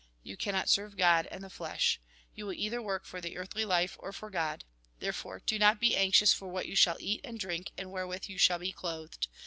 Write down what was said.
You cannot serve God and the flesh. You will either work for the earthly life or for God. There fore, do not be anxious for what you shall eat and drink, and wherewith you shall be clothed.